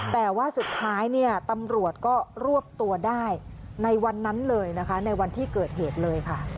แต่ว่าสุดท้ายเนี่ยตำรวจก็รวบตัวได้ในวันนั้นเลยนะคะในวันที่เกิดเหตุเลยค่ะ